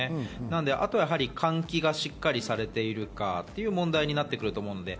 あとは換気がしっかりされているかという問題になってくると思います。